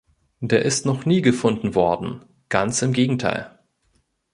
Der ist noch nie gefunden worden, ganz im Gegenteil.